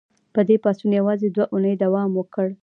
دې پاڅون یوازې دوه اونۍ دوام وکړ.